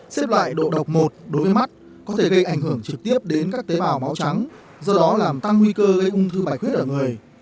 xếp loại độ độc một đối với mắt có thể gây ảnh hưởng trực tiếp đến các tế bào máu trắng do đó làm tăng nguy cơ gây ung thư bài khuyết ở người